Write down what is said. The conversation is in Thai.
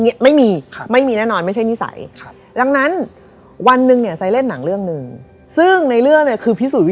ย่ามาช่วยเลือก